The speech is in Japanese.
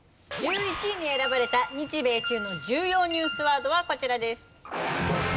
１１位に選ばれた日米中の重要ニュースワードはこちらです。